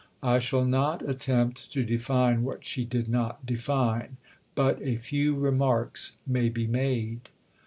I shall not attempt to define what she did not define; but a few remarks may be made.